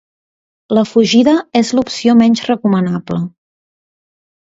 La fugida és l'opció menys recomanable.